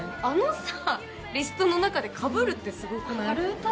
あのさリストの中でかぶるってすごくない？